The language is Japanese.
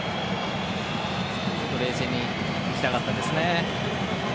冷静にいきたかったですね。